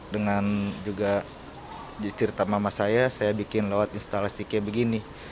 dengan juga cerita mama saya saya bikin lewat instalasi kayak begini